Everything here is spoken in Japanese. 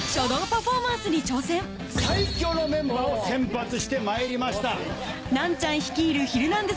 さらに最強のメンバーを選抜してまいりました。